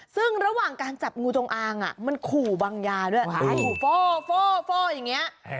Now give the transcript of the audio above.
ซึ่งระหว่างการจับงูจงอางมันขู่บางยาด้วยอย่างนี้